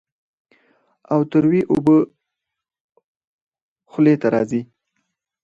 او تروې اوبۀ خلې له راځي